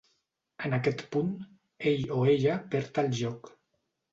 En aquest punt, ell o ella perd el joc.